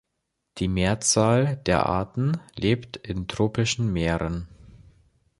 Die Mehrzahl der Arten lebt in tropischen Meeren.